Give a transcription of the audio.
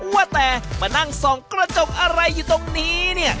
ว่าแต่มานั่งส่องกระจกอะไรอยู่ตรงนี้เนี่ย